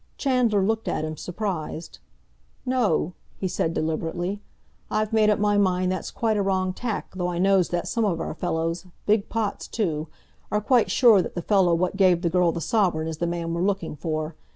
Chandler looked at him, surprised. "No," he said deliberately. "I've made up my mind that's quite a wrong tack, though I knows that some of our fellows—big pots, too—are quite sure that the fellow what gave the girl the sovereign is the man we're looking for.